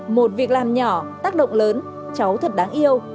một việc làm nhỏ tác động lớn cháu thật đáng yêu